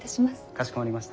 かしこまりました。